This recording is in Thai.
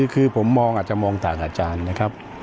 คือผมมองอาจจะมองต่างอาจารย์นะครับ